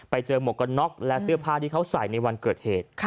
หมวกกันน็อกและเสื้อผ้าที่เขาใส่ในวันเกิดเหตุ